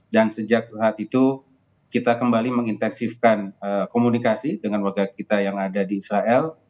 dan sejak saat itu kita kembali mengintensifkan komunikasi dengan warga kita yang ada di israel